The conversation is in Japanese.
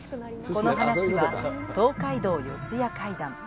この話は東海道四谷怪談。